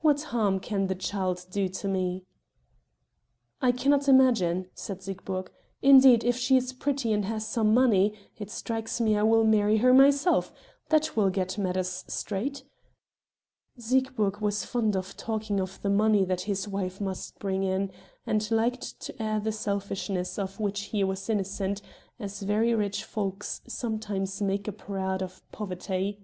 What harm can the child do me?" "I cannot imagine," said Siegburg; "indeed, if she is pretty and has some money, it strikes me I will marry her myself that will set matters straight" Siegburg was fond of talking of the money that his wife must bring him, and liked to air the selfishness of which he was innocent, as very rich folks sometimes make a parade of poverty.